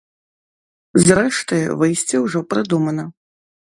Зрэшты, выйсце ўжо прыдумана.